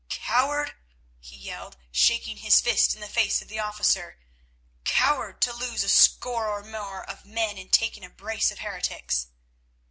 "Coward!" he yelled, shaking his fist in the face of the officer. "Coward to lose a score or more of men in taking a brace of heretics."